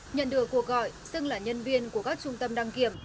nhận được cuộc gọi xưng là nhân viên của các trung tâm đăng kiểm